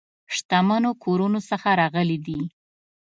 شتمنو کورونو څخه راغلي دي.